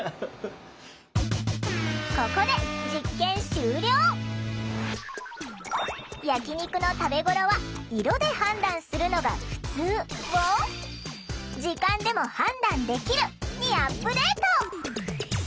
ここで「焼き肉の食べごろは色で判断するのがふつう」を「時間でも判断できる」にアップデート！